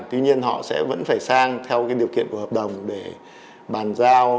tuy nhiên họ sẽ vẫn phải sang theo điều kiện của hợp đồng để bàn giao